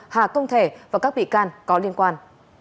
hà công thể và các bị can có liên quan